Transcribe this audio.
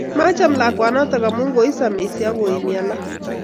Maacham lakwanatak amun koisamisi akoimi alak.